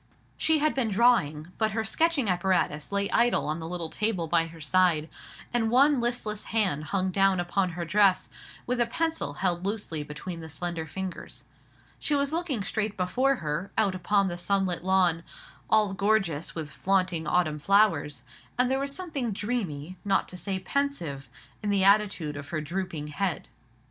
She had been drawing; but her sketching apparatus lay idle on the little table by her side, and one listless hand hung down upon her dress, with a pencil held loosely between the slender fingers. She was looking straight before her, out upon the sunlit lawn, all gorgeous with flaunting autumn flowers; and there was something dreamy, not to say pensive, in the attitude of her drooping head.